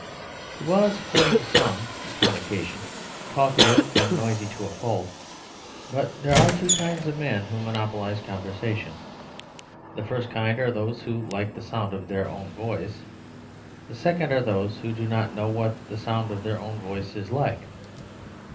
He was, according to some, upon occasion, talkative and noisy to a fault; but there are two kinds of men who monopolise conversation. The first kind are those who like the sound of their own voice; the second are those who do not know what the sound of their own voice is like.